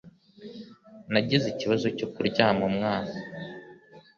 Nagize ikibazo cyo kuryama umwana.